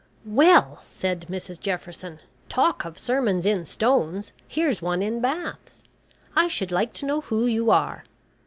"Well," said Mrs Jefferson, "talk of sermons in stones! Here's one in baths! I should like to know who you are.